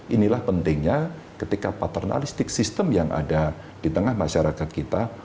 inilah pentingnya ketika paternalistik sistem yang ada di tengah masyarakat kita